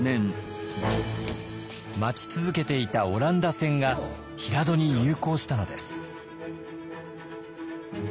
待ち続けていたオランダ船が平戸に入港したのです。